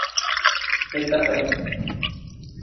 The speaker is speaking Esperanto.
Eta premo.